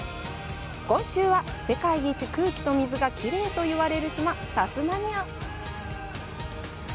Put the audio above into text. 今週は、世界一空気と水がきれいといわれる島、タスマニア。